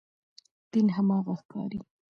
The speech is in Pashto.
دین هماغه ښکارېږي.